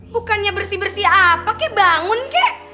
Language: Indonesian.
bukannya bersih bersih apa ke bangun ke